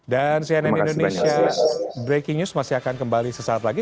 dan cnn indonesia breaking news masih akan kembali sesaat lagi